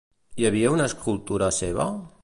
Hi havia una escultura seva?